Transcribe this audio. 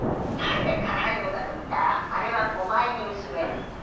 なんで辛いのかと思ったらあれは５倍に薄めると。